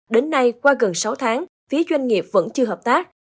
đến nay qua gần sáu tháng phía doanh nghiệp vẫn chưa hợp tác